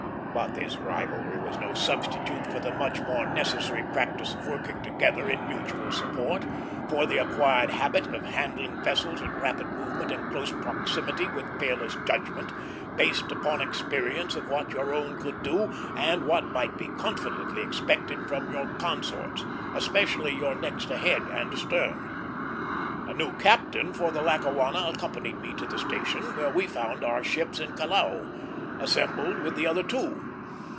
But this rivalry was no substitute for the much more necessary practice of working together, in mutual support; for the acquired habit of handling vessels in rapid movement and close proximity with fearless judgment, based upon experience of what your own could do, and what might be confidently expected from your consorts, especially your next ahead and astern. A new captain for the Lackawanna accompanied me to the station, where we found our ships in Callao, assembled with the other two.